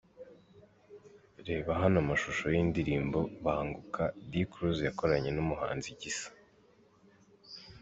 Reba hano amashusho y'indirimbo Banguka D Cruz yakoranye n'umuhanzi Gisa.